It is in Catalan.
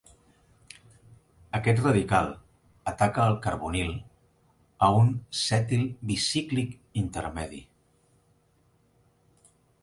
Aquest radical ataca el carbonil a un cetil bicíclic intermedi.